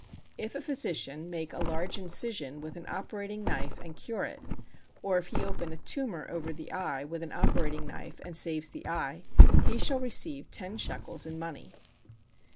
If a physician make a large incision with a operating knife and cure it, or if he open a tumor [over the eye] with an operating knife, and saves the eye, he shall receive ten shekels in money.